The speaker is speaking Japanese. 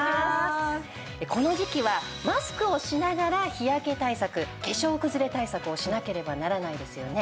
この時季はマスクをしながら日焼け対策化粧くずれ対策をしなければならないですよね。